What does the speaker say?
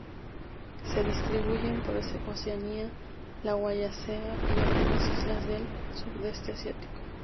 Se distribuyen por Oceanía, la Wallacea y algunas islas del Sudeste Asiático.